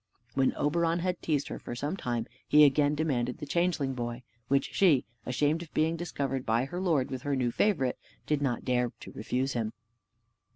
When Oberon had teased her for some time, he again demanded the changeling boy; which she, ashamed of being discovered by her lord with her new favorite, did not dare to refuse him.